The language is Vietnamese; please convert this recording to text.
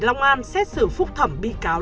long an xét xử phúc thẩm bị cáo